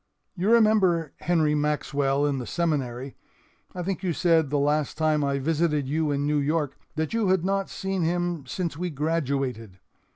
"You remember Henry Maxwell in the Seminary. I think you said the last time I visited you in New York that you had not seen him since we graduated.